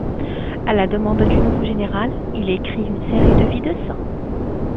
À la demande du nouveau général il écrit une série de vie de saints.